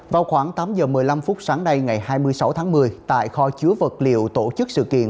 vào khoảng tám giờ một mươi năm phút sáng nay ngày hai mươi sáu tháng một mươi tại kho chứa vật liệu tổ chức sự kiện